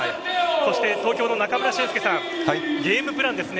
そして東京の中村俊輔さんゲームプランですね。